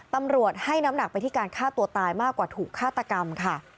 ตำรวจให้น้ำหนักไปที่การฆ่าตัวตายมากกว่าถูกฆาตกรรมค่ะ